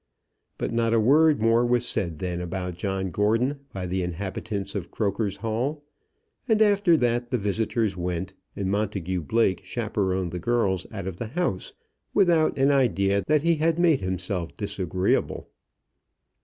But not a word more was said then about John Gordon by the inhabitants of Croker's Hall. After that the visitors went, and Montagu Blake chaperoned the girls out of the house, without an idea that he had made himself disagreeable.